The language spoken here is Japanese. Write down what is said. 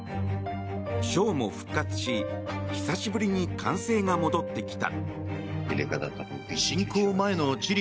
ショーも復活し久しぶりに歓声が戻ってきた。